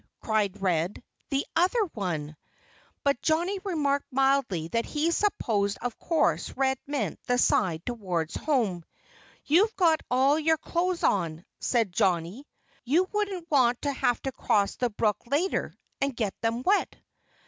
cried Red. "The other one!" But Johnnie remarked mildly that he supposed of course Red meant the side towards home. "You've got all your clothes on," said Johnnie. "You wouldn't want to have to cross the brook, later, and get them wet."